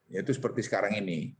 yaitu seperti sekarang ini